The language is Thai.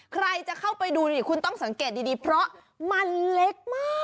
ใครจะเข้าไปดูนี่คุณต้องสังเกตดีเพราะมันเล็กมาก